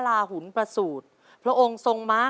เจ้าชายศิษฐะทรงพนวทที่ริมฝั่งแม่น้ำใด